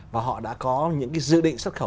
và họ đã có những dự định xuất khẩu